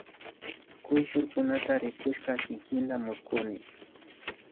Kuyllurkunata rikushpa kikinta mushkuni